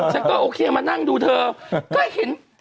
ฉันก็โอเคมานั่งดูเธอก็เห็น